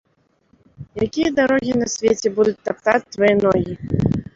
Якія дарогі на свеце будуць таптаць твае ногі?